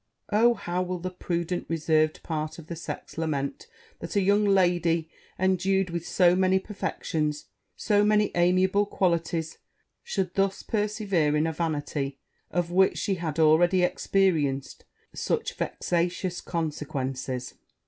Oh, how will the prudent, reserved part of the sex lament, that a young lady, endued with so many perfections, so many amiable qualities, should thus persevere in a vanity of which she had already experienced such vexatious consequences!